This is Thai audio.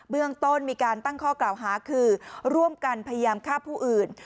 เรื่องต้นมีการตั้งข้อกล่าวหาคือร่วมกันพยายามฆ่าผู้อื่น